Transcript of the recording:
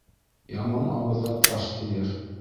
Яман ауыҙға таш тейер.